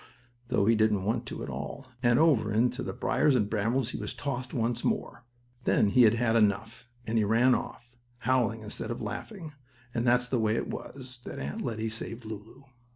though he didn't want to at all, and over into the briars and brambles he was tossed once more. Then he had had enough, and he ran off, howling instead of laughing, and that's the way it was that Aunt Lettie saved Lulu.